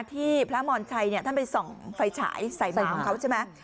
ที่พระมรชัยท่านไปส่องไฟฉายใส่หมา